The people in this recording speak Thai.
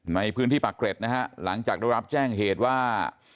ในพื้นที่ปากเกร็ดนะฮะหลังจากได้รับแจ้งเหตุว่า